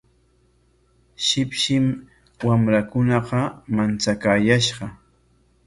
Shipshim wamrakunaqa manchakaayashqa.